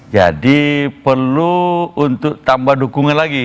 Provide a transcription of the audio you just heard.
jadi perlu untuk tambah dukungan lagi